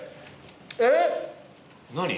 えっ？何？